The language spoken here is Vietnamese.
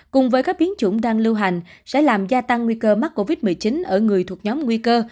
cùng với các biến chủng đang lưu hành sẽ làm gia tăng nguy cơ mắc covid một mươi chín ở người thuộc nhóm nguy cơ